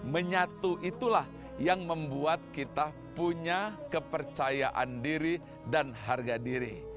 menyatu itulah yang membuat kita punya kepercayaan diri dan harga diri